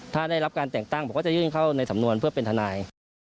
ถ้าได้รับการแต่งตั้งบอกว่าจะยื่นเข้าในสำนวนเพื่อเป็นทนาย